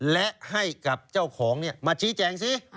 และให้กับเจ้าของมาชี้แจงสิ